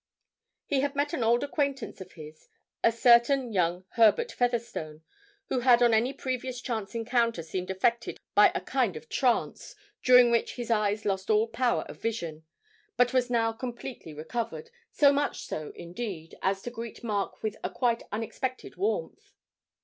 He had met an old acquaintance of his, a certain young Herbert Featherstone, who had on any previous chance encounter seemed affected by a kind of trance, during which his eyes lost all power of vision, but was now completely recovered, so much so indeed as to greet Mark with a quite unexpected warmth.